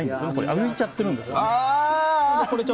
浮いちゃってるんです。